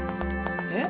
えっ？